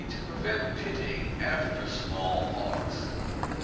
To Prevent Pitting after Small Pox.